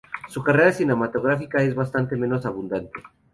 Su carrera cinematográfica es bastante menos abundante.